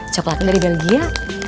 coklatnya dari belgia